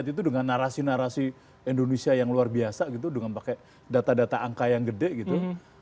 itu dengan narasi narasi indonesia yang luar biasa gitu dengan pakai data data angka yang gede gitu